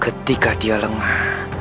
ketika dia lengah